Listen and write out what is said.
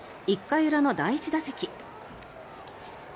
１回裏の第１打席。